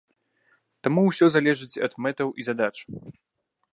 Таму усё залежыць ад мэтаў і задач.